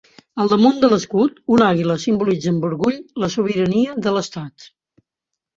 Al damunt de l'escut, una àguila simbolitza amb orgull la sobirania de l'estat.